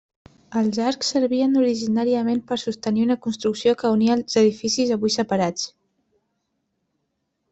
Els arcs servien originàriament per sostenir una construcció que unia els edificis avui separats.